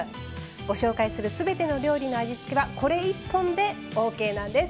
ご紹介するすべての料理の味付けはこれ１本でオーケーなんです。